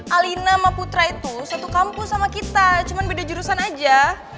alina maputra itu satu kampus sama kita cuma beda jurusan aja